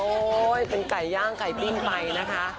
เป็นไก่ย่างไก่ปิ้งไปนะคะ